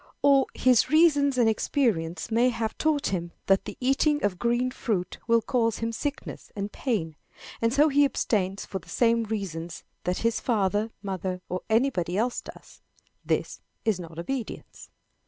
Or, his reason and experience may have taught him that the eating of green fruit will cause him sickness and pain, and so he abstains for the same reasons that his father, mother, or anybody else does. This is not obedience.